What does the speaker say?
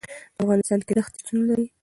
په افغانستان کې دښتې شتون لري.